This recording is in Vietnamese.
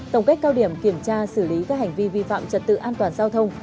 tổng kết cao điểm kiểm tra xử lý các hành vi vi phạm trật tự an toàn giao thông